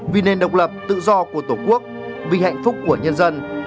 vì nền độc lập tự do của tổ quốc vì hạnh phúc của nhân dân